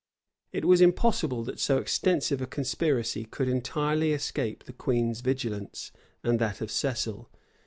[] It was impossible that so extensive a conspiracy could entirely escape the queen's vigilance and that of Cecil.